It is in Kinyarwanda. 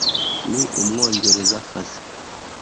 ni umwongerezakazi